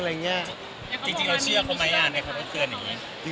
จริงเราเชื่อเค้าไหมในความรู้เกินอย่างนี้